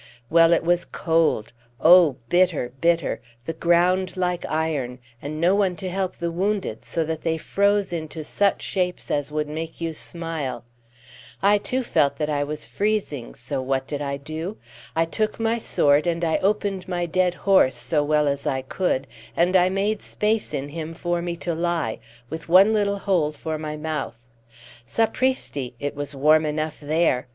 Well, it was cold oh, bitter, bitter! the ground like iron, and no one to help the wounded, so that they froze into such shapes as would make you smile. I too felt that I was freezing, so what did I do? I took my sword, and I opened my dead horse, so well as I could, and I made space in him for me to lie, with one little hole for my mouth. Sapristi! It was warm enough there.